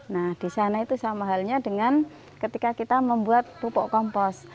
nah di sana itu sama halnya dengan ketika kita membuat pupuk kompos